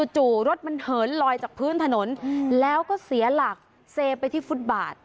จู่รถมันเหินลอยจากพื้นถนนแล้วก็เสียหลักเซไปที่ฟุตบาท